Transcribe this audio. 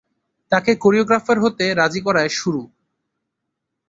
তাকে কোরিওগ্রাফার হতে রাজি করায় সুরু।